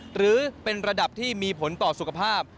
หรือเป็นระดับที่มีผลต่อสุขภาพ